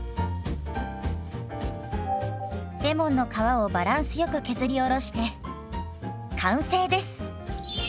レモンの皮をバランスよく削りおろして完成です。